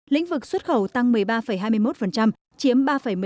lĩnh vực xuất khẩu tăng một mươi ba hai mươi một chiếm ba một mươi sáu